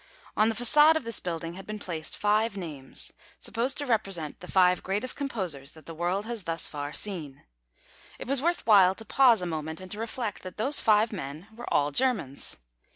On the façade of this building had been placed five names, supposed to represent the five greatest composers that the world has thus far seen. It was worth while to pause a moment and to reflect that those five men were all Germans.